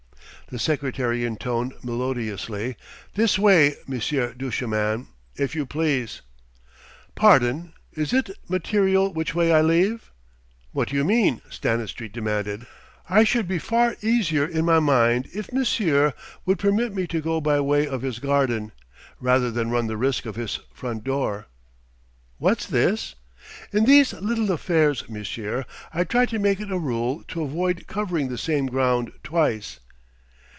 The secretary intoned melodiously: "This way, Monsieur Duchemin, if you please." "Pardon. Is it material which way I leave?" "What do you mean?" Stanistreet demanded. "I should be far easier in my mind if monsieur would permit me to go by way of his garden, rather than run the risk of his front door." "What's this?" "In these little affairs, monsieur, I try to make it a rule to avoid covering the same ground twice."